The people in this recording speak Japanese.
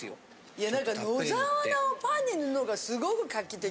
いや何か野沢菜をパンに塗るのがすごく画期的。